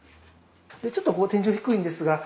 でちょっとここ天井低いんですが。